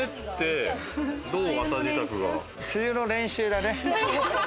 梅雨の練習だね。